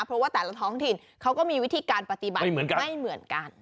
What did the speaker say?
เพราะว่าแต่ละท้องถิ่นเขาก็มีวิธีการปฏิบัติไม่เหมือนกัน